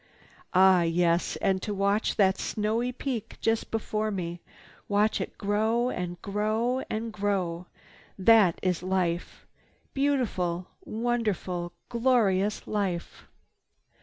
Ah yes, and to watch that snowy peak just before me, watch it grow and grow and grow—that is life—_beautiful, wonderful, glorious life!